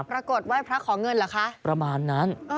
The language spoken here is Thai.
ไหว้พระขอเงินเหรอคะประมาณนั้น